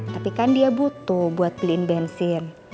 tapi kan dia butuh buat beliin bensin